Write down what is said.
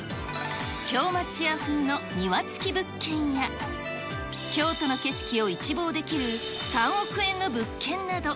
京町家風の庭付き物件や、京都の景色を一望できる３億円の物件など。